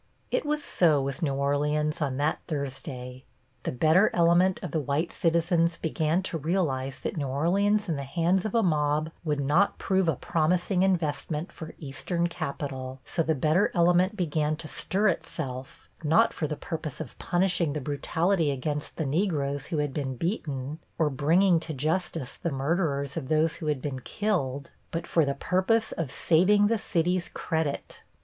It was so with New Orleans on that Thursday. The better element of the white citizens began to realize that New Orleans in the hands of a mob would not prove a promising investment for Eastern capital, so the better element began to stir itself, not for the purpose of punishing the brutality against the Negroes who had been beaten, or bringing to justice the murderers of those who had been killed, but for the purpose of saving the city's credit.